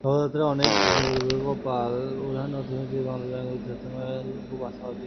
নবযাত্রার বছর হবেবিরূপাক্ষ পাল, প্রধান অর্থনীতিবিদ বাংলাদেশ ব্যাংকব্যক্তিগতভাবে আমি খুবই আশাবাদী মানুষ।